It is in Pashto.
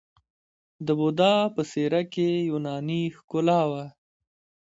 د بودا په څیره کې یوناني ښکلا وه